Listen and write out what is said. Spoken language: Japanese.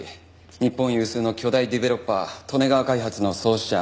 日本有数の巨大デベロッパー利根川開発の創始者